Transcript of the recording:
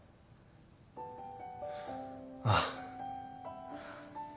ああ。